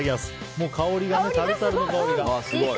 もうタルタルの香りが。